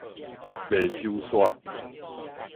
袂收煞